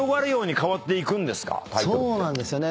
そうなんですよね。